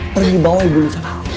pergi bawa ibu lu sama aku